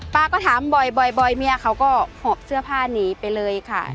ป้าก็ถามบ่อยเมียเขาก็หอบเสื้อผ้าหนีไปเลยค่ะ